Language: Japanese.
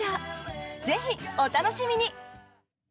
ぜひ、お楽しみに！